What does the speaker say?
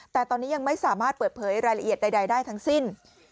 แต่ตอนนี้ยังไม่สามารถเปิดเผยรายละเอียดใดได้ทั้งสิ้น